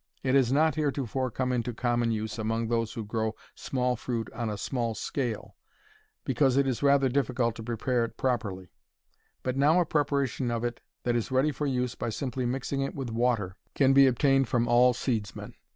It has not heretofore come into common use among those who grow small fruit on a small scale, because it is rather difficult to prepare it properly, but now a preparation of it that is ready for use by simply mixing it with water can be obtained from all seedsmen.